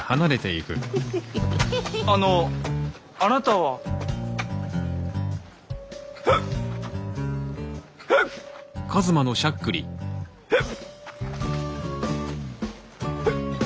あのあなたは？はっ！